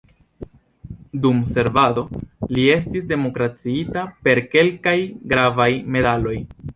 Dum servado li estis dekoraciita per kelkaj gravaj medaloj.